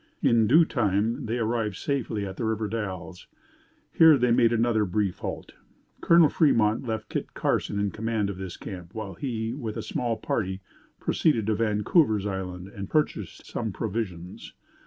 In due time they arrived safely at the river Dalles. Here they made another brief halt. Colonel Fremont left Kit Carson in command of this camp, while he, with a small party, proceeded to Vancouver's Island and purchased some provisions.